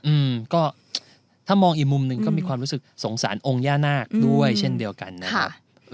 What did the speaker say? อืมก็ถ้ามองอีกมุมหนึ่งก็มีความรู้สึกสงสารองค์ย่านาคด้วยเช่นเดียวกันนะครับ